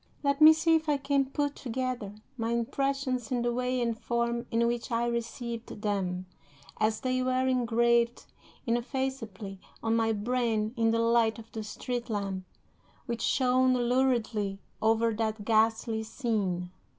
Let me see if I can put together my impressions in the way and form in which I received them, as they were engraved ineffaceably on my brain in the light of the street lamp which shone luridly over that ghastly scene.